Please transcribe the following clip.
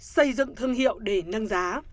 xây dựng thương hiệu để nâng giá